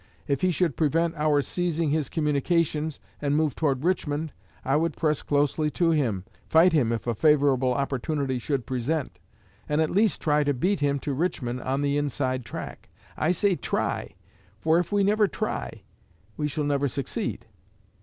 If he should prevent our seizing his communications, and move toward Richmond, I would press closely to him, fight him if a favorable opportunity should present, and at least try to beat him to Richmond on the inside track. I say "try," for if we never try, we shall never succeed.